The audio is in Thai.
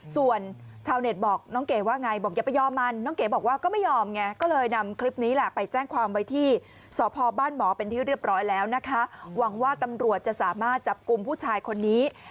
ส่วนชาวเน็ตบอกน้องเก๋ว่าไงบอกอย่าไปยอมมัน